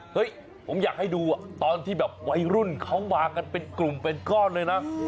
เฮ้ยผมอยากให้ดูตอนที่แบบวัยรุ่นเขามากันเป็นกลุ่มเป็นก้อนเลยนะ